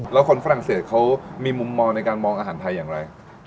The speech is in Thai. แล้วคนฝรั่งเศสเขามีมุมมองในการมองอาหารไทยอย่างไร